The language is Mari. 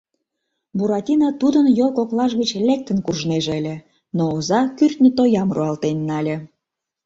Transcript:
Буратино тудын йол коклаж гыч лектын куржнеже ыле, но оза кӱртньӧ тоям руалтен нале.